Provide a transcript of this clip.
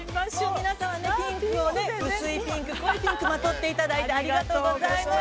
皆さんピンクを、薄いピンク、濃いピンクまとっていただいて、ありがとうございます。